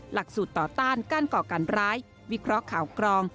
หลักสูตรต่อต้านการก่อการร้ายวิเคราะห์ข่าวกรอง